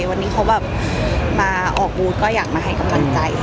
วันนี้เขาแบบมาออกบูธก็อยากมาให้กำลังใจ